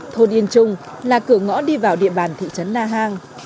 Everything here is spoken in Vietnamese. thôn yên trung là cửa ngõ đi vào địa bàn thị trấn na hàng